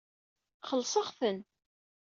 Xellṣeɣ-ten.